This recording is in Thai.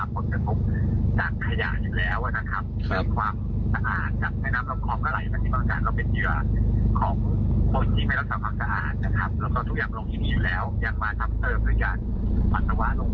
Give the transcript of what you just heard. พอทุกอย่างมาลงที่นี่แล้วอยากมาทำเติมหรืออยากปัสสาวะลง